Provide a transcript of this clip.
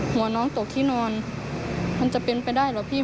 หัวน้องตกที่นอนมันจะเป็นไปได้เหรอพี่